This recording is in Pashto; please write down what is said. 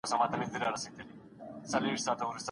ډاکټر به اوږده پاڼه ړنګه نه کړي.